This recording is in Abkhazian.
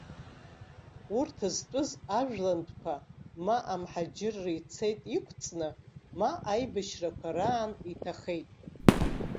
Урҭ зтәыз ажәлантәқәа, ма амҳаџьырра ицеит иқәҵны, ма аибашьрақәа раан иҭахеит.